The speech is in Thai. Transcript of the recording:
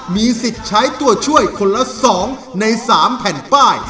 มีสิทธิ์ใช้ตัวช่วยคนละ๒ใน๓แผ่นป้าย